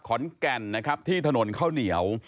ขอนแก่นที่ถนนข้าวเหนียว